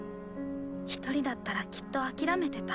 一人だったらきっと諦めてた。